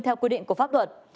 theo quy định của pháp luật